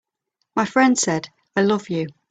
My friend said: "I love you.